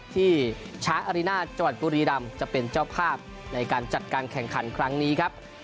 ที่ช้าอารินาจังหวัดบุรีรำจะเป็นเจ้าภาพในการจัดการแข่งขันครั้งนี้ครับ